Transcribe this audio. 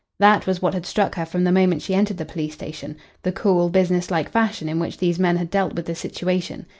That was what had struck her from the moment she entered the police station the cool, business like fashion in which these men had dealt with the situation.